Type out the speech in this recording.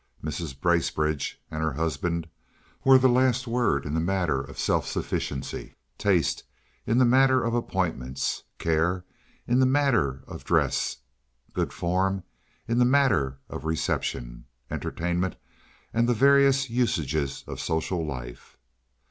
Mrs. Bracebridge and her husband were the last word in the matter of self sufficiency, taste in the matter of appointments, care in the matter of dress, good form in the matter of reception, entertainment, and the various usages of social life.